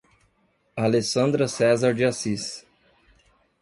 Alessandra Cesar de Assis